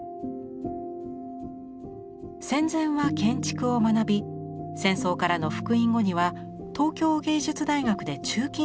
戦前は建築を学び戦争からの復員後には東京藝術大学で鋳金を学びます。